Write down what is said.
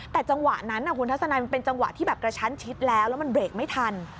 แต่จังหวะนั้นคุณทัศนัยมันเป็นจังหวะที่แบบกระชั้นชิดแล้วแล้วมันเบรกไม่ทัน